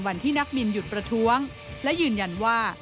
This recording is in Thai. นักบินหยุดประท้วงและยืนยันว่า